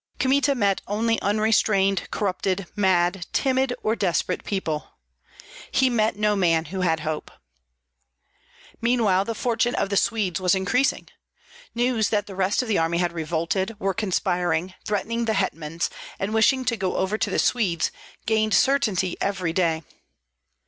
Kmita met only unrestrained, corrupted, mad, timid, or desperate people. He met no man who had hope. Meanwhile the fortune of the Swedes was increasing. News that the rest of the army had revolted, were conspiring, threatening the hetmans, and wishing to go over to the Swedes, gained certainty every day.